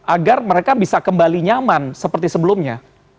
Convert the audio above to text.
agar mereka bisa kembali nyaman seperti sebelumnya